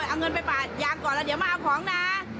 เอาเงินไปป่ายางก่อนแล้วเดี๋ยวมาเอาของนะ